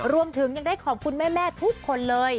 รวมถึงยังได้ขอบคุณแม่ทุกคนเลย